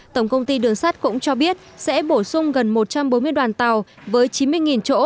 tổng công ty đường sắt cũng cho biết sẽ bổ sung gần một trăm bốn mươi đoàn tàu với chín mươi chỗ